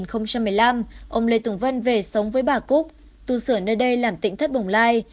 năm hai nghìn một mươi năm ông lê tùng vân về sống với bà cúc tu sửa nơi đây làm tỉnh thất bồng lai